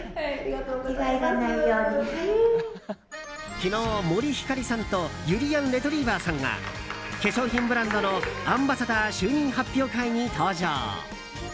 昨日、森星さんとゆりやんレトリィバァさんが化粧品ブランドのアンバサダー就任発表会に登場。